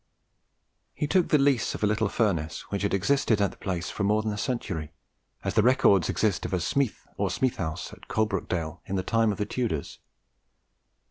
He took the lease of a little furnace which had existed at the place for more than a century, as the records exist of a "smethe" or "smeth house" at Coalbrookdale in the time of the Tudors.